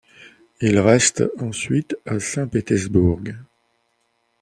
Il reste ensuite à Saint-Pétersbourg.